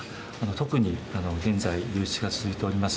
特に、現在、流出が続いております